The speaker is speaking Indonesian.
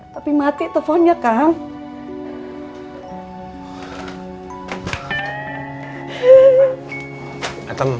tapi mati teleponnya kank